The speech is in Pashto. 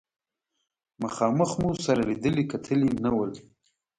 مخامخ مو سره لیدلي کتلي نه ول.